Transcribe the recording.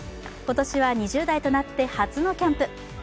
今年は２０代となって初のキャンプ。